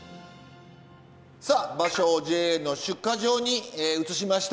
さあ場所をＪＡの出荷場に移しました。